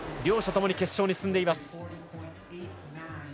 両者ともに決勝に進んでいます。